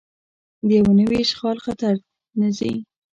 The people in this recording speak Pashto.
د یو نوي اشغال خطر نه ځي.